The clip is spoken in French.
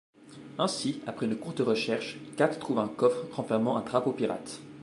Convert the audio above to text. Ainsi, après une courte recherche, Kat trouve un coffre renfermant un drapeau pirate.